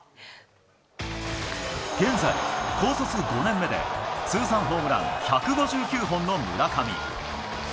現在、高卒５年目で通算ホームラン１５９本の村上。